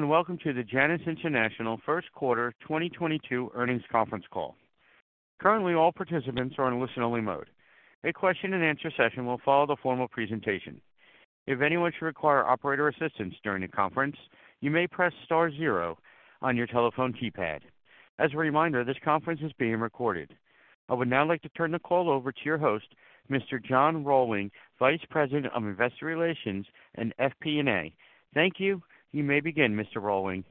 Welcome to the Janus International Q1 2022 Earnings Conference Call. Currently, all participants are in listen-only mode. A question-and-answer session will follow the formal presentation. If anyone should require operator assistance during the conference, you may press star zero on your telephone keypad. As a reminder, this conference is being recorded. I would now like to turn the call over to your host, Mr. John Rohlwing, Vice President of Investor Relations and FP&A. Thank you. You may begin, Mr. Rohlwing.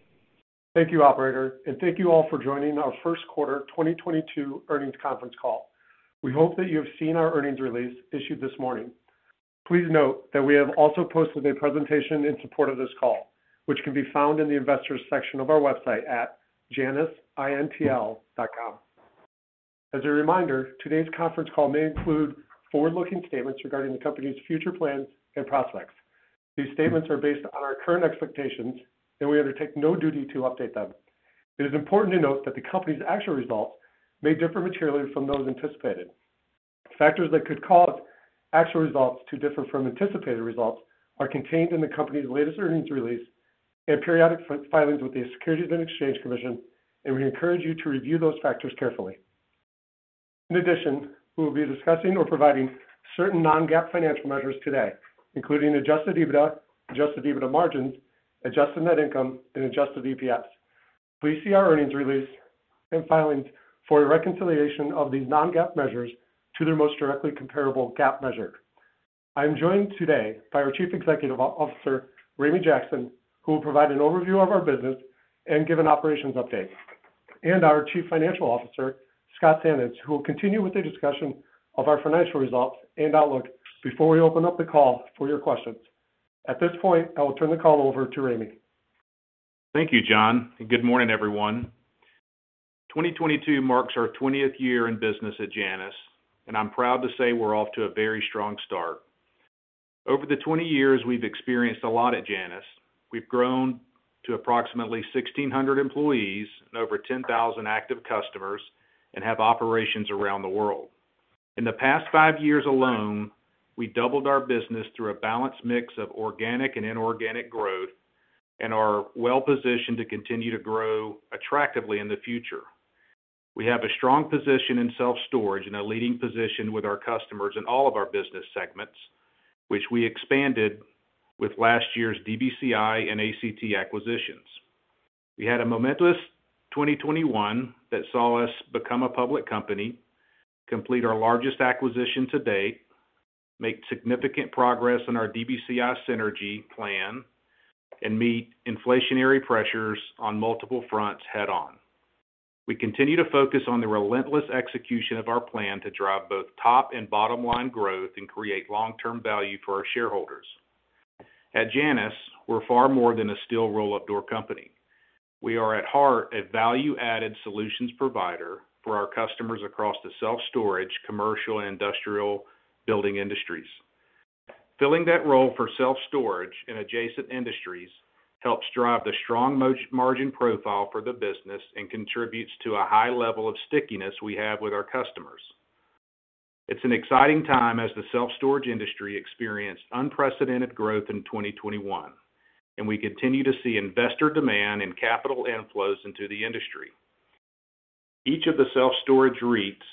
Thank you, Operator, and thank you all for joining our Q1 2022 earnings conference call. We hope that you have seen our earnings release issued this morning. Please note that we have also posted a presentation in support of this call, which can be found in the Investors section of our website at janusintl.com. As a reminder, today's conference call may include forward-looking statements regarding the company's future plans and prospects. These statements are based on our current expectations, and we undertake no duty to update them. It is important to note that the company's actual results may differ materially from those anticipated. Factors that could cause actual results to differ from anticipated results are contained in the company's latest earnings release and periodic filings with the Securities and Exchange Commission, and we encourage you to review those factors carefully. In addition, we will be discussing or providing certain non-GAAP financial measures today, including adjusted EBITDA, adjusted EBITDA margins, adjusted net income, and adjusted EPS. Please see our earnings release and filings for a reconciliation of these non-GAAP measures to their most directly comparable GAAP measure. I'm joined today by our Chief Executive Officer, Ramey Jackson, who will provide an overview of our business and give an operations update, and our Chief Financial Officer, Scott Sannes, who will continue with the discussion of our financial results and outlook before we open up the call for your questions. At this point, I will turn the call over to Ramey. Thank you, John, and good morning, everyone. 2022 marks our 20th year in business at Janus, and I'm proud to say we're off to a very strong start. Over the 20 years, we've experienced a lot at Janus. We've grown to approximately 1,600 employees and over 10,000 active customers and have operations around the world. In the past five years alone, we doubled our business through a balanced mix of organic and inorganic growth and are well-positioned to continue to grow attractively in the future. We have a strong position in self-storage and a leading position with our customers in all of our business segments, which we expanded with last year's DBCI and ACT acquisitions. We had a momentous 2021 that saw us become a public company, complete our largest acquisition to date, make significant progress on our DBCI synergy plan, and meet inflationary pressures on multiple fronts head-on. We continue to focus on the relentless execution of our plan to drive both top and bottom-line growth and create long-term value for our shareholders. At Janus, we're far more than a steel roll-up door company. We are at heart a value-added solutions provider for our customers across the self-storage, commercial, and industrial building industries. Filling that role for self-storage and adjacent industries helps drive the strong margin profile for the business and contributes to a high level of stickiness we have with our customers. It's an exciting time as the self-storage industry experienced unprecedented growth in 2021, and we continue to see investor demand and capital inflows into the industry. Each of the self-storage REITs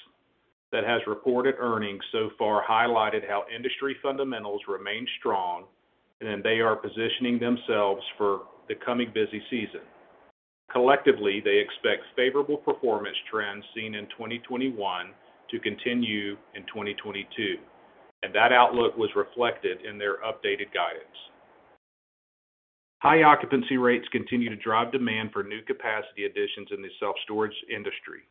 that has reported earnings so far highlighted how industry fundamentals remain strong, and they are positioning themselves for the coming busy season. Collectively, they expect favorable performance trends seen in 2021 to continue in 2022, and that outlook was reflected in their updated guidance. High occupancy rates continue to drive demand for new capacity additions in the self-storage industry,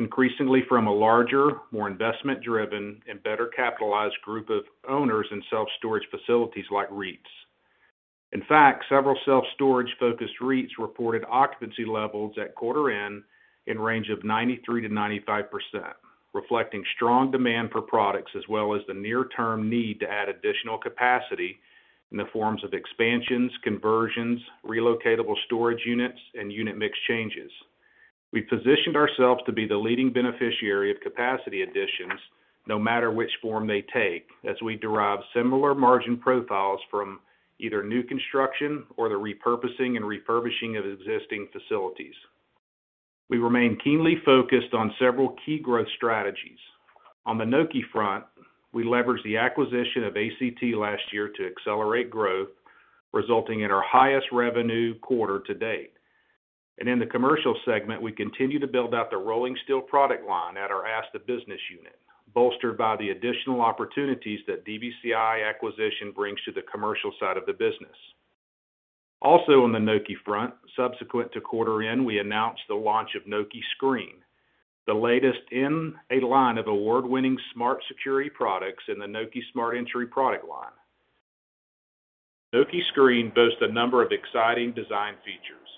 increasingly from a larger, more investment-driven, and better-capitalized group of owners in self-storage facilities like REITs. In fact, several self-storage-focused REITs reported occupancy levels at quarter end in range of 93%-95%, reflecting strong demand for products as well as the near-term need to add additional capacity in the forms of expansions, conversions, relocatable storage units, and unit mix changes. We positioned ourselves to be the leading beneficiary of capacity additions no matter which form they take, as we derive similar margin profiles from either new construction or the repurposing and refurbishing of existing facilities. We remain keenly focused on several key growth strategies. On the Nokē front, we leveraged the acquisition of ACT last year to accelerate growth, resulting in our highest revenue quarter to date. In the commercial segment, we continue to build out the rolling steel product line at our ASTA business unit, bolstered by the additional opportunities that DBCI acquisition brings to the commercial side of the business. Also on the Nokē front, subsequent to quarter end, we announced the launch of Nokē Screen, the latest in a line of award-winning smart security products in the Nokē Smart Entry product line. Nokē Screen boasts a number of exciting design features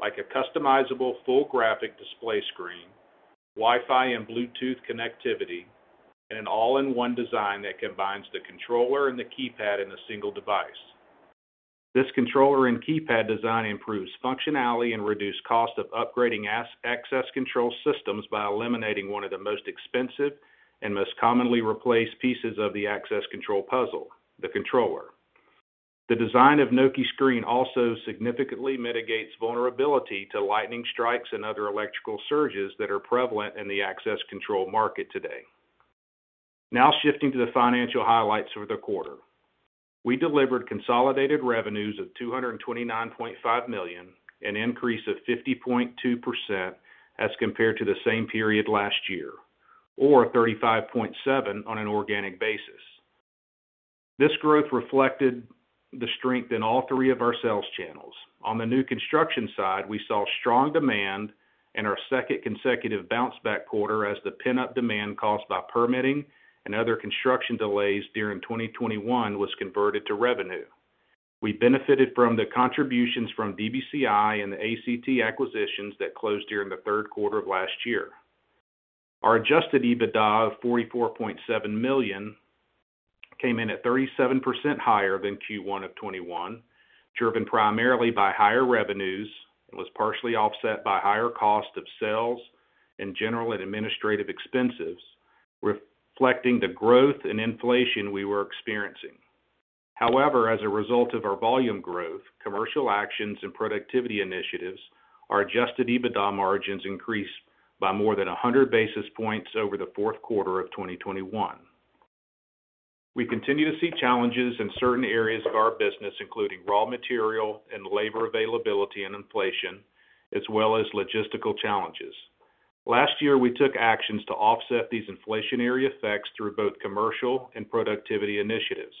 like a customizable full graphic display screen, Wi-Fi and Bluetooth connectivity, and an all-in-one design that combines the controller and the keypad in a single device. This controller and keypad design improves functionality and reduced cost of upgrading access control systems by eliminating one of the most expensive and most commonly replaced pieces of the access control puzzle, the controller. The design of Nokē Screen also significantly mitigates vulnerability to lightning strikes and other electrical surges that are prevalent in the access control market today. Now shifting to the financial highlights for the quarter. We delivered consolidated revenues of $229.5 million, an increase of 50.2% as compared to the same period last year, or 35.7% on an organic basis. This growth reflected the strength in all three of our sales channels. On the new construction side, we saw strong demand in our second consecutive bounce back quarter as the pent-up demand caused by permitting and other construction delays during 2021 was converted to revenue. We benefited from the contributions from DBCI and the ACT acquisitions that closed during the Q3 of last year. Our adjusted EBITDA of $44.7 million came in at 37% higher than Q1 of 2021, driven primarily by higher revenues, and was partially offset by higher cost of sales and general and administrative expenses, reflecting the growth and inflation we were experiencing. However, as a result of our volume growth, commercial actions and productivity initiatives, our adjusted EBITDA margins increased by more than 100 basis points over the Q4 of 2021. We continue to see challenges in certain areas of our business, including raw material and labor availability and inflation, as well as logistical challenges. Last year, we took actions to offset these inflationary effects through both commercial and productivity initiatives.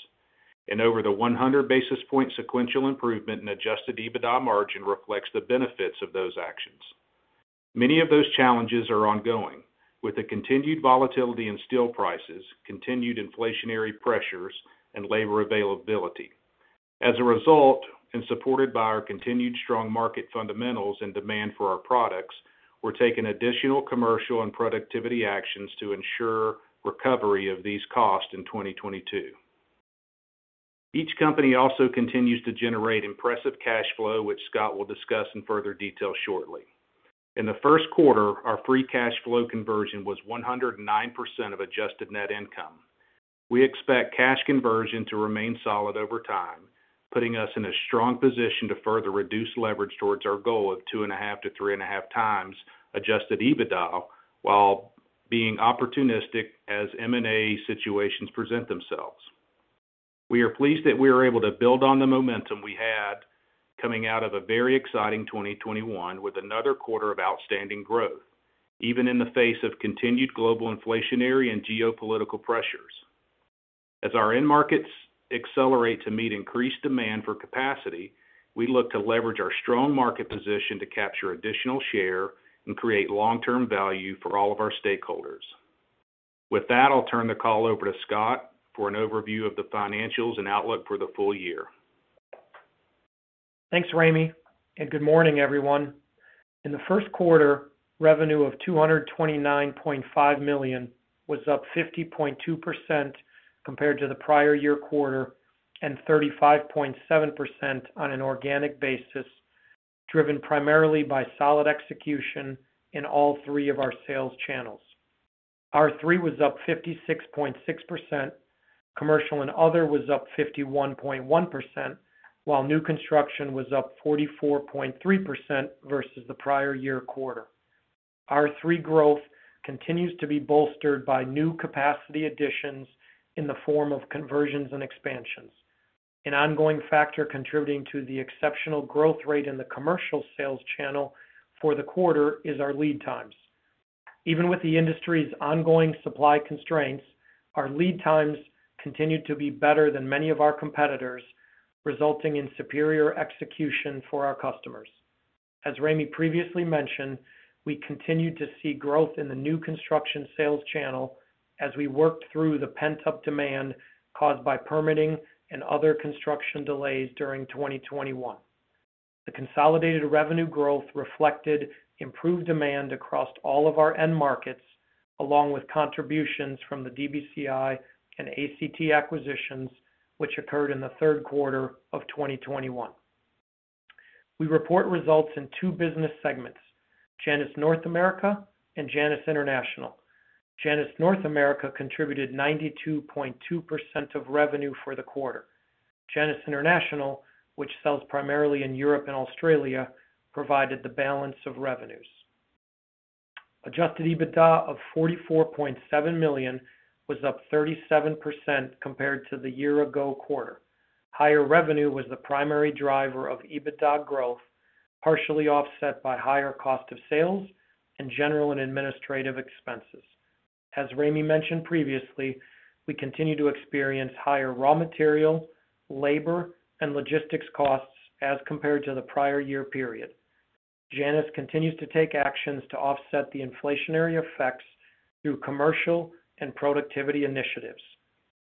Over the 100 basis point sequential improvement in adjusted EBITDA margin reflects the benefits of those actions. Many of those challenges are ongoing with the continued volatility in steel prices, continued inflationary pressures and labor availability. As a result, and supported by our continued strong market fundamentals and demand for our products, we're taking additional commercial and productivity actions to ensure recovery of these costs in 2022. The company also continues to generate impressive cash flow, which Scott will discuss in further detail shortly. In the Q1, our free cash flow conversion was 109% of adjusted net income. We expect cash conversion to remain solid over time, putting us in a strong position to further reduce leverage towards our goal of 2.5-3.5x adjusted EBITDA while being opportunistic as M&A situations present themselves. We are pleased that we are able to build on the momentum we had coming out of a very exciting 2021 with another quarter of outstanding growth, even in the face of continued global inflationary and geopolitical pressures. As our end markets accelerate to meet increased demand for capacity, we look to leverage our strong market position to capture additional share and create long-term value for all of our stakeholders. With that, I'll turn the call over to Scott for an overview of the financials and outlook for the full year. Thanks, Ramey, and good morning, everyone. In the Q1, revenue of $229.5 million was up 50.2% compared to the prior year quarter and 35.7% on an organic basis, driven primarily by solid execution in all three of our sales channels. R3 was up 56.6%, commercial and other was up 51.1%, while new construction was up 44.3% versus the prior year quarter. R3 growth continues to be bolstered by new capacity additions in the form of conversions and expansions. An ongoing factor contributing to the exceptional growth rate in the commercial sales channel for the quarter is our lead times. Even with the industry's ongoing supply constraints, our lead times continued to be better than many of our competitors, resulting in superior execution for our customers. As Ramey previously mentioned, we continued to see growth in the new construction sales channel as we worked through the pent-up demand caused by permitting and other construction delays during 2021. The consolidated revenue growth reflected improved demand across all of our end markets, along with contributions from the DBCI and ACT acquisitions, which occurred in the Q3 of 2021. We report results in two business segments, Janus North America and Janus International. Janus North America contributed 92.2% of revenue for the quarter. Janus International, which sells primarily in Europe and Australia, provided the balance of revenues. Adjusted EBITDA of $44.7 million was up 37% compared to the year ago quarter. Higher revenue was the primary driver of EBITDA growth, partially offset by higher cost of sales and general and administrative expenses. As Ramey mentioned previously, we continue to experience higher raw material, labor, and logistics costs as compared to the prior year period. Janus continues to take actions to offset the inflationary effects through commercial and productivity initiatives.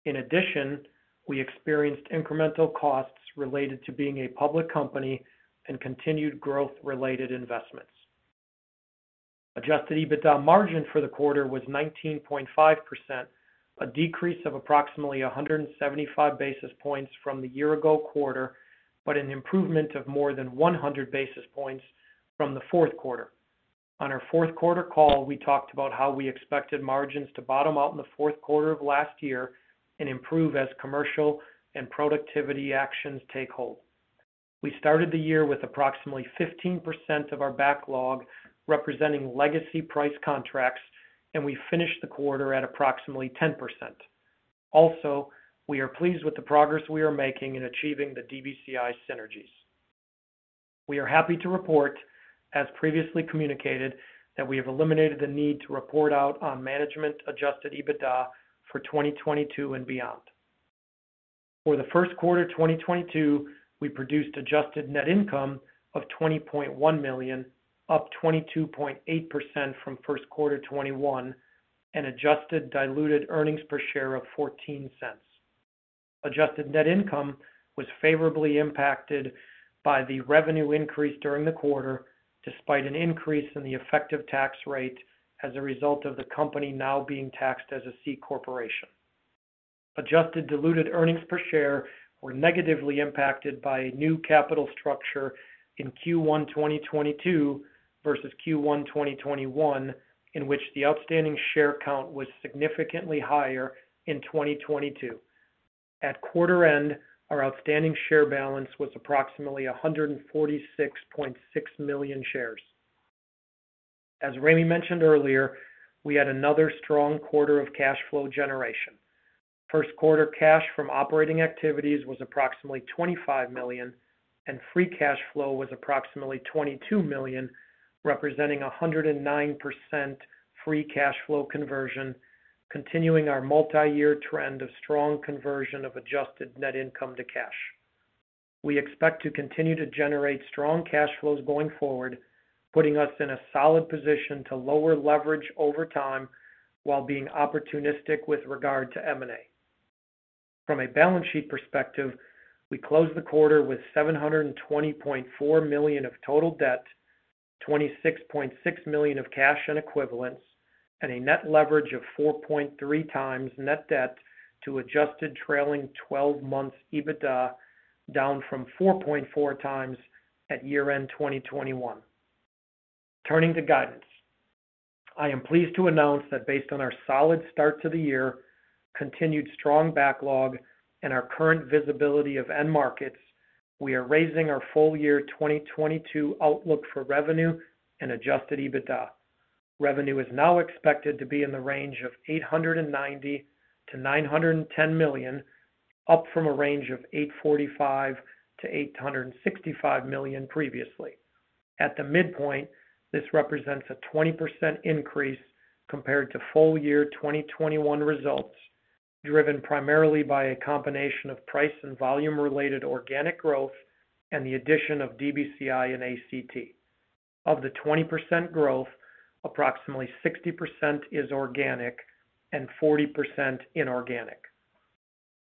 In addition, we experienced incremental costs related to being a public company and continued growth-related investments. Adjusted EBITDA margin for the quarter was 19.5%, a decrease of approximately 175 basis points from the year ago quarter, but an improvement of more than 100 basis points from the Q4. On our Q4 call, we talked about how we expected margins to bottom out in the Q4 of last year and improve as commercial and productivity actions take hold. We started the year with approximately 15% of our backlog representing legacy price contracts, and we finished the quarter at approximately 10%. We are pleased with the progress we are making in achieving the DBCI synergies. We are happy to report, as previously communicated, that we have eliminated the need to report out on management-adjusted EBITDA for 2022 and beyond. For the Q1 2022, we produced adjusted net income of $20.1 million, up 22.8% from Q1 2021, and adjusted diluted earnings per share of $0.14. Adjusted net income was favorably impacted by the revenue increase during the quarter, despite an increase in the effective tax rate as a result of the company now being taxed as a C corporation. Adjusted diluted earnings per share were negatively impacted by new capital structure in Q1 2022 versus Q1 2021, in which the outstanding share count was significantly higher in 2022. At quarter end, our outstanding share balance was approximately 146.6 million shares. As Ramey mentioned earlier, we had another strong quarter of cash flow generation. Q1 cash from operating activities was approximately $25 million, and free cash flow was approximately $22 million, representing 109% free cash flow conversion, continuing our multiyear trend of strong conversion of adjusted net income to cash. We expect to continue to generate strong cash flows going forward, putting us in a solid position to lower leverage over time while being opportunistic with regard to M&A. From a balance sheet perspective, we closed the quarter with $720.4 million of total debt, $26.6 million of cash and equivalents, and a net leverage of 4.3x net debt to adjusted trailing twelve months EBITDA, down from 4.4x at year-end 2021. Turning to guidance. I am pleased to announce that based on our solid start to the year, continued strong backlog, and our current visibility of end markets, we are raising our full year 2022 outlook for revenue and adjusted EBITDA. Revenue is now expected to be in the range of $890 million-$910 million, up from a range of $845 million-$865 million previously. At the midpoint, this represents a 20% increase compared to full year 2021 results, driven primarily by a combination of price and volume-related organic growth and the addition of DBCI and ACT. Of the 20% growth, approximately 60% is organic and 40% inorganic.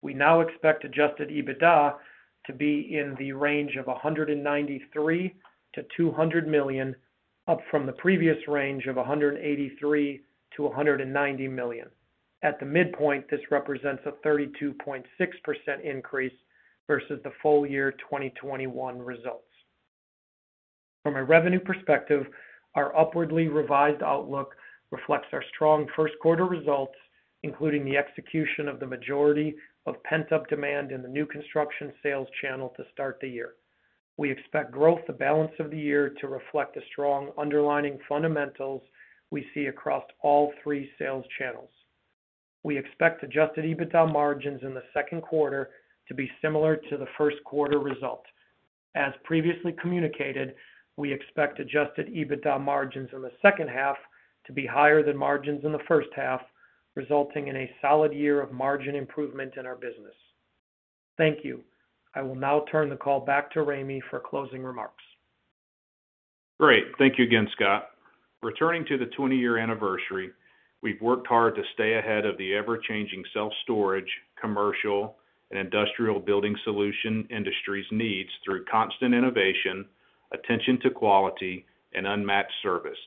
We now expect adjusted EBITDA to be in the range of $193 million-$200 million, up from the previous range of $183 million-$190 million. At the midpoint, this represents a 32.6% increase versus the full year 2021 results. From a revenue perspective, our upwardly revised outlook reflects our strong Q1 results, including the execution of the majority of pent-up demand in the new construction sales channel to start the year. We expect growth the balance of the year to reflect the strong underlying fundamentals we see across all three sales channels. We expect adjusted EBITDA margins in the Q2 to be similar to the Q1 result. As previously communicated, we expect adjusted EBITDA margins in the H2 to be higher than margins in the H1, resulting in a solid year of margin improvement in our business. Thank you. I will now turn the call back to Ramey for closing remarks. Great. Thank you again, Scott. Returning to the 20-year anniversary, we've worked hard to stay ahead of the ever-changing self-storage, commercial, and industrial building solution industries' needs through constant innovation, attention to quality, and unmatched service.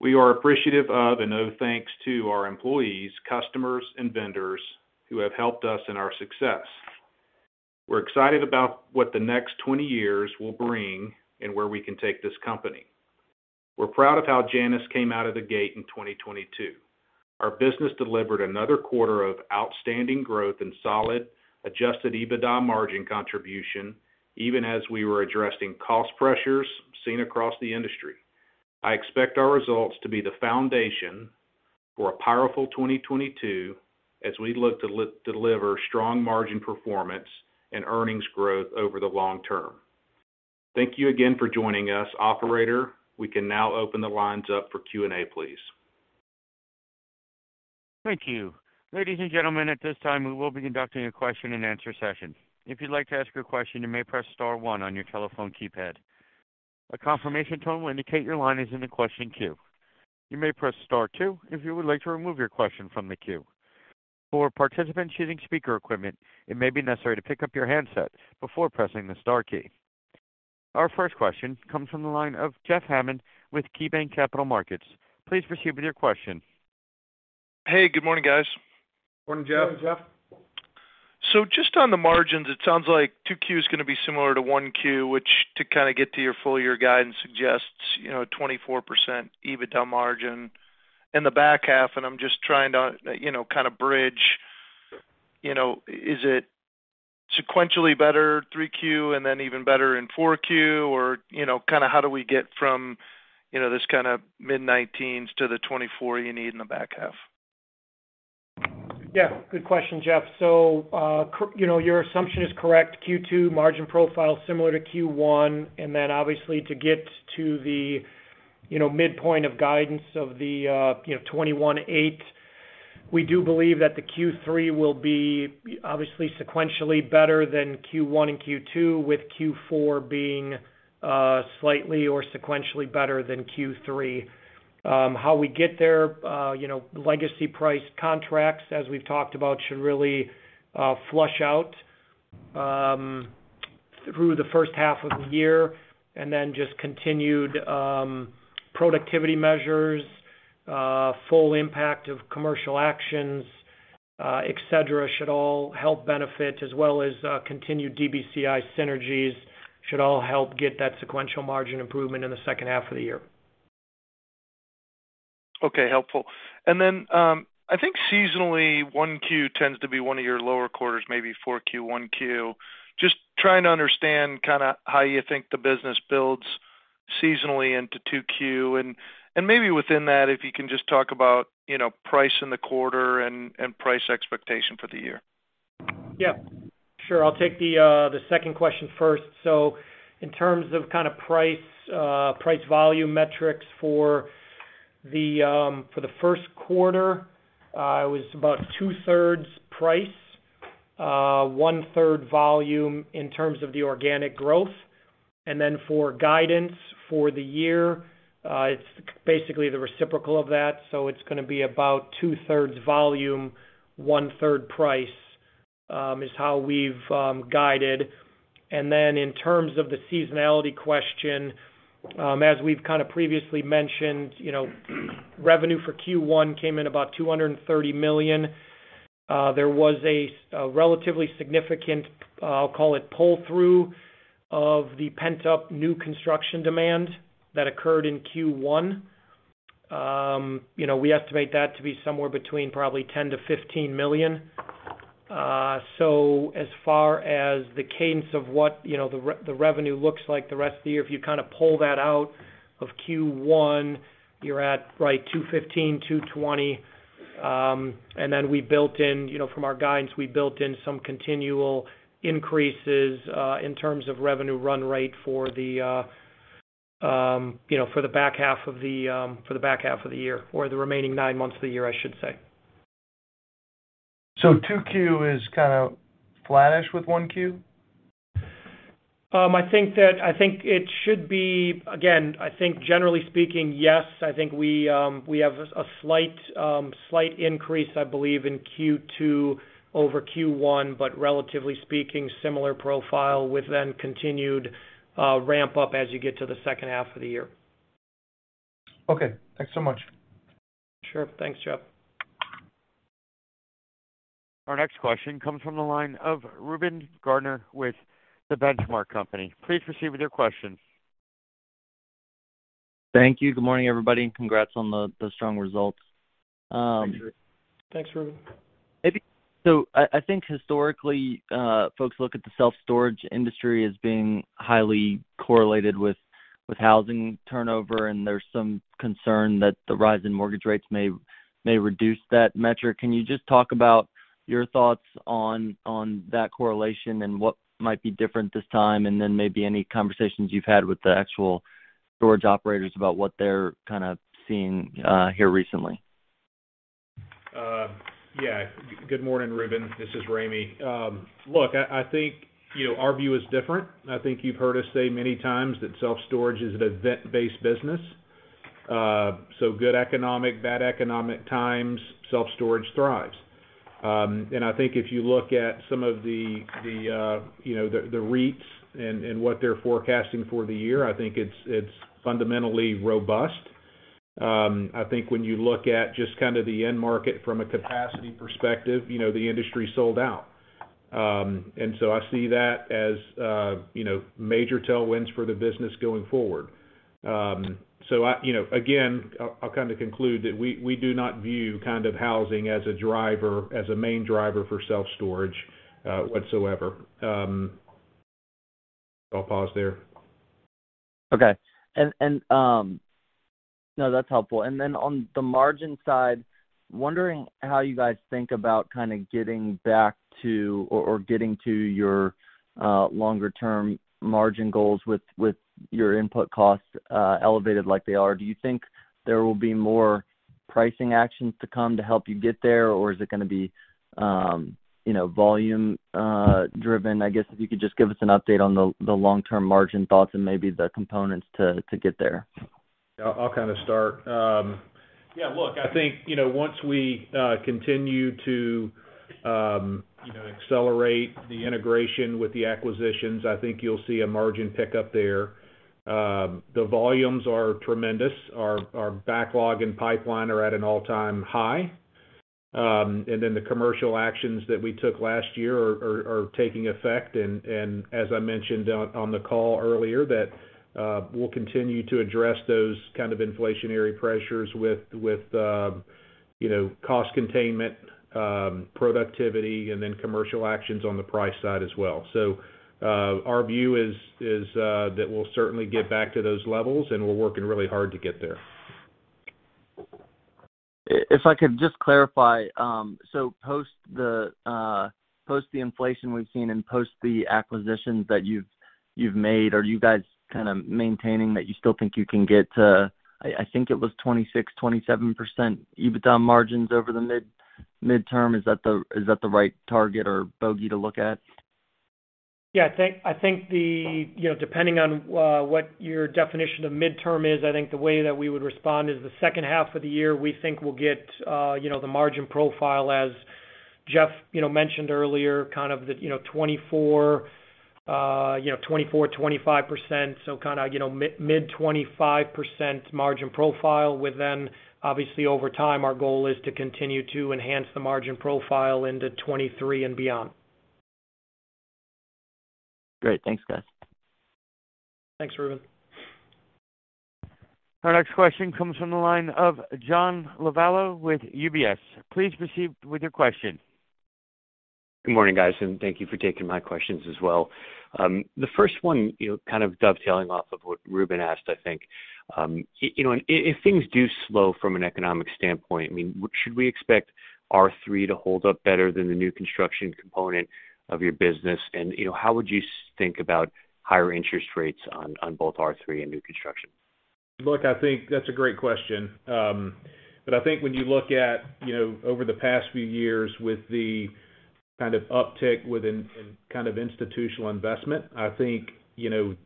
We are appreciative of and owe thanks to our employees, customers, and vendors who have helped us in our success. We're excited about what the next 20 years will bring and where we can take this company. We're proud of how Janus came out of the gate in 2022. Our business delivered another quarter of outstanding growth and solid adjusted EBITDA margin contribution, even as we were addressing cost pressures seen across the industry. I expect our results to be the foundation for a powerful 2022 as we look to deliver strong margin performance and earnings growth over the long term. Thank you again for joining us. Operator, we can now open the lines up for Q&A, please. Thank you. Ladies and gentlemen, at this time, we will be conducting a question and answer session. If you'd like to ask your question, you may press star one on your telephone keypad. A confirmation tone will indicate your line is in the question queue. You may press star two if you would like to remove your question from the queue. For participants using speaker equipment, it may be necessary to pick up your handsets before pressing the star key. Our first question comes from the line of Jeffrey Hammond with KeyBanc Capital Markets. Please proceed with your question. Hey, good morning, guys. Morning, Jeff. Just on the margins, it sounds like Q2 is gonna be similar to Q1, which to kind of get to your full year guidance suggests, you know, 24% EBITDA margin in the back half. I'm just trying to, you know, kind of bridge, you know, is it sequentially better Q3 and then even better in Q4 or, you know, kind of how do we get from, you know, this kind of mid-teens to the 24% you need in the back half? Yeah, good question, Jeff. So, you know, your assumption is correct. Q2 margin profile is similar to Q1, and then obviously to get to the, you know, midpoint of guidance of the 21.8%, we do believe that the Q3 will be obviously sequentially better than Q1 and Q2, with Q4 being slightly or sequentially better than Q3. How we get there, you know, legacy price contracts, as we've talked about, should really flush out through the H1 of the year. Then just continued productivity measures, full impact of commercial actions, et cetera, should all help benefit as well as continued DBCI synergies should all help get that sequential margin improvement in the H2 of the year. Okay, helpful. I think seasonally, Q1 tends to be one of your lower quarters, maybe Q4, Q1. Just trying to understand kind of how you think the business builds seasonally into Q2. Maybe within that, if you can just talk about, you know, price in the quarter and price expectation for the year. Yeah, sure. I'll take the second question first. In terms of kind of price volume metrics for the Q1, it was about two-thirds price, one-third volume in terms of the organic growth. Then for guidance for the year, it's basically the reciprocal of that. It's gonna be about two-thirds volume, one-third price is how we've guided. Then in terms of the seasonality question, as we've kind of previously mentioned, you know, revenue for Q1 came in about $230 million. There was a relatively significant, I'll call it pull through of the pent up new construction demand that occurred in Q1. You know, we estimate that to be somewhere between probably $10 million-$15 million. As far as the cadence of what, you know, the revenue looks like the rest of the year, if you kind of pull that out of Q1, you're right at $215-$220. Then we built in, you know, from our guidance, we built in some continual increases in terms of revenue run rate for the back half of the year or the remaining nine months of the year, I should say. Q2 is kind of flattish with Q1? I think it should be. Again, I think generally speaking, yes, we have a slight increase, I believe, in Q2 over Q1, but relatively speaking, similar profile with then continued ramp up as you get to the second half of the year. Okay. Thanks so much. Sure. Thanks, Jeff. Our next question comes from the line of Reuben Garner with The Benchmark Company. Please proceed with your questions. Thank you. Good morning, everybody, and congrats on the strong results. Thanks, Reuben. Thanks, Reuben. I think historically, folks look at the self-storage industry as being highly correlated with housing turnover, and there's some concern that the rise in mortgage rates may reduce that metric. Can you just talk about your thoughts on that correlation and what might be different this time? Maybe any conversations you've had with the actual storage operators about what they're kind of seeing here recently. Yeah. Good morning, Reuben. This is Ramey. Look, I think you know our view is different. I think you've heard us say many times that self-storage is an event-based business. Good economic, bad economic times, self-storage thrives. I think if you look at some of the, you know, the REITs and what they're forecasting for the year, I think it's fundamentally robust. I think when you look at just kind of the end market from a capacity perspective, you know, the industry is sold out. I see that as, you know, major tailwinds for the business going forward. You know, again, I'll kind of conclude that we do not view kind of housing as a driver, as a main driver for self-storage, whatsoever. I'll pause there. Okay. No, that's helpful. Then on the margin side, wondering how you guys think about kind of getting back to or getting to your longer-term margin goals with your input costs elevated like they are. Do you think there will be more pricing actions to come to help you get there, or is it gonna be you know, volume driven? I guess if you could just give us an update on the long-term margin thoughts and maybe the components to get there. Yeah. I'll kind of start. Yeah, look, I think, you know, once we continue to, you know, accelerate the integration with the acquisitions, I think you'll see a margin pickup there. The volumes are tremendous. Our backlog and pipeline are at an all-time high, and then the commercial actions that we took last year are taking effect. As I mentioned on the call earlier that we'll continue to address those kind of inflationary pressures with, you know, cost containment, productivity, and then commercial actions on the price side as well. Our view is that we'll certainly get back to those levels, and we're working really hard to get there. If I could just clarify. So post the inflation we've seen and post the acquisitions that you've made, are you guys kind of maintaining that you still think you can get to, I think it was 26%-27% EBITDA margins over the midterm? Is that the right target or bogey to look at? Yeah. I think the way that we would respond is the H2 of the year, we think we'll get you know, the margin profile, as Jeff you know, mentioned earlier, kind of the you know, 24% you know, 24-25%. So kinda you know, mid-25% margin profile. With then, obviously, over time, our goal is to continue to enhance the margin profile into 2023 and beyond. Great. Thanks, guys. Thanks, Reuben. Our next question comes from the line of John Lovallo with UBS. Please proceed with your question. Good morning, guys, and thank you for taking my questions as well. The first one, you know, kind of dovetailing off of what Reuben asked, I think. You know, if things do slow from an economic standpoint, I mean, should we expect R3 to hold up better than the new construction component of your business? You know, how would you think about higher interest rates on both R3 and new construction? Look, I think that's a great question. But I think when you look at, you know, over the past few years with the kind of uptick within kind of institutional investment, I think, you know,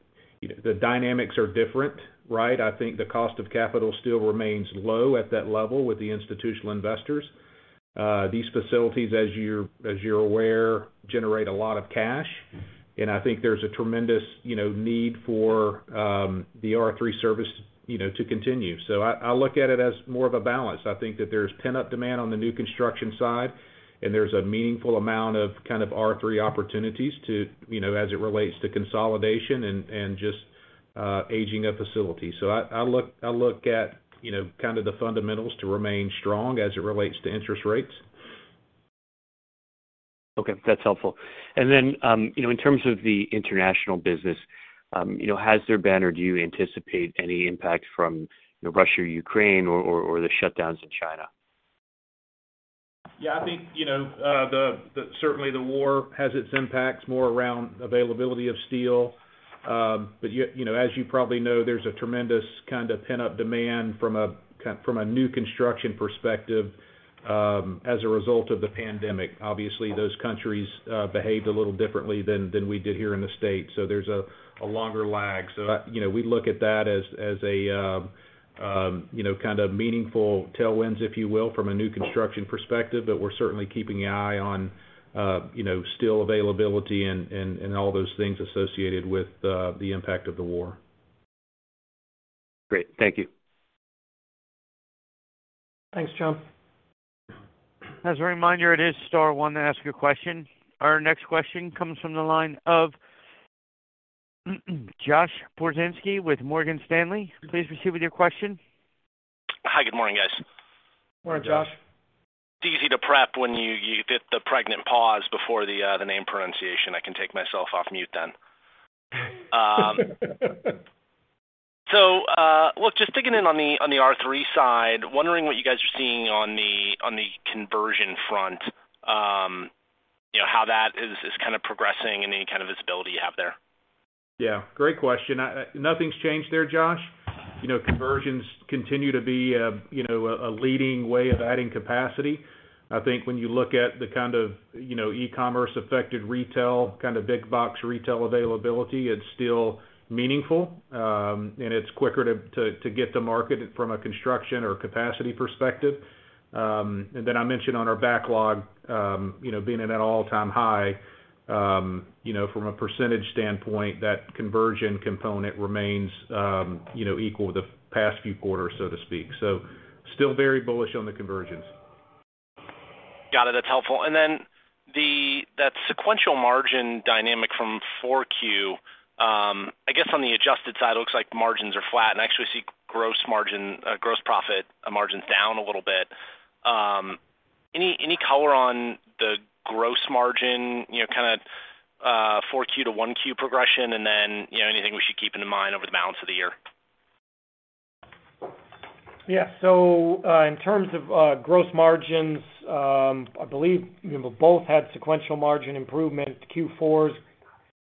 the dynamics are different, right? I think the cost of capital still remains low at that level with the institutional investors. These facilities, as you're aware, generate a lot of cash. I think there's a tremendous, you know, need for the R3 service, you know, to continue. I look at it as more of a balance. I think that there's pent-up demand on the new construction side, and there's a meaningful amount of kind of R3 opportunities to, you know, as it relates to consolidation and just aging of facilities. I look at, you know, kind of the fundamentals to remain strong as it relates to interest rates. Okay, that's helpful. You know, in terms of the international business, you know, has there been or do you anticipate any impact from, you know, Russia or Ukraine or the shutdowns in China? Yeah. I think you know certainly the war has its impacts more around availability of steel. But you know, as you probably know, there's a tremendous kind of pent-up demand from a new construction perspective, as a result of the pandemic. Obviously, those countries behaved a little differently than we did here in the States, so there's a longer lag. You know, we look at that as a kind of meaningful tailwinds, if you will, from a new construction perspective. But we're certainly keeping our eye on you know, steel availability and all those things associated with the impact of the war. Great. Thank you. Thanks, John. As a reminder, it is star one to ask a question. Our next question comes from the line of Josh Pokrzywinski with Morgan Stanley. Please proceed with your question. Hi. Good morning, guys. Good morning, Josh. Good morning, Josh. It's easy to prep when you get the pregnant pause before the name pronunciation. I can take myself off mute then. Look, just digging in on the R3 side, wondering what you guys are seeing on the conversion front. You know, how that is kind of progressing and any kind of visibility you have there. Yeah, great question. Nothing's changed there, Josh. You know, conversions continue to be, you know, a leading way of adding capacity. I think when you look at the kind of, you know, e-commerce affected retail, kind of big box retail availability, it's still meaningful, and it's quicker to get to market from a construction or capacity perspective. And then I mentioned on our backlog, you know, being at an all-time high, you know, from a percentage standpoint, that conversion component remains, you know, equal to the past few quarters, so to speak. Still very bullish on the conversions. Got it. That's helpful. The sequential margin dynamic from Q4, I guess on the adjusted side, it looks like margins are flat, and I actually see gross margin, gross profit margins down a little bit. Any color on the gross margin, you know, kinda, Q4 to Q1 progression? You know, anything we should keep in mind over the balance of the year? Yeah. In terms of gross margins, I believe we both had sequential margin improvement. Q4's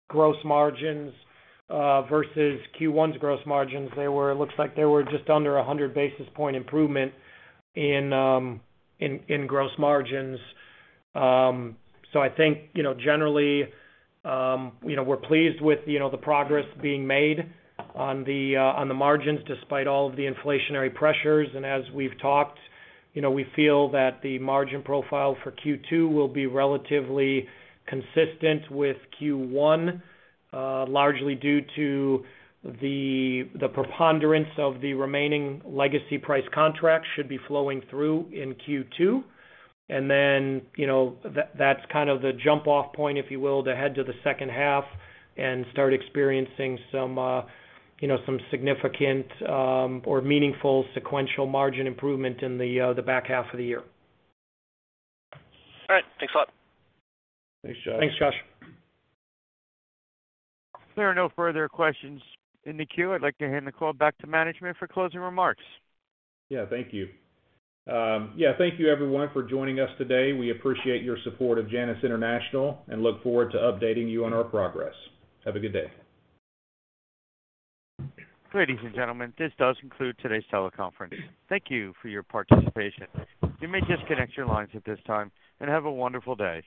gross margins versus Q1's gross margins, it looks like they were just under 100 basis point improvement in gross margins. I think, you know, generally, you know, we're pleased with, you know, the progress being made on the margins despite all of the inflationary pressures. As we've talked, you know, we feel that the margin profile for Q2 will be relatively consistent with Q1, largely due to the preponderance of the remaining legacy price contracts should be flowing through in Q2. You know, that's kind of the jump off point, if you will, to head to the H2 and start experiencing some, you know, some significant or meaningful sequential margin improvement in the back half of the year. All right. Thanks a lot. Thanks, Josh. Thanks, Josh. If there are no further questions in the queue, I'd like to hand the call back to management for closing remarks. Yeah, thank you. Yeah, thank you everyone for joining us today. We appreciate your support of Janus International, and look forward to updating you on our progress. Have a good day. Ladies and gentlemen, this does conclude today's teleconference. Thank you for your participation. You may disconnect your lines at this time, and have a wonderful day.